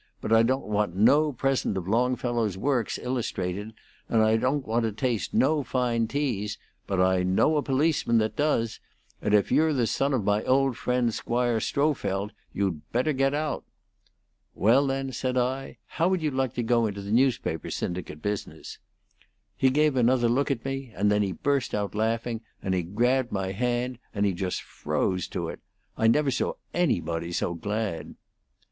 But I don't want no present of Longfellow's Works, illustrated; and I don't want to taste no fine teas; but I know a policeman that does; and if you're the son of my old friend Squire Strohfeldt, you'd better get out.' 'Well, then,' said I, 'how would you like to go into the newspaper syndicate business?' He gave another look at me, and then he burst out laughing, and he grabbed my hand, and he just froze to it. I never saw anybody so glad.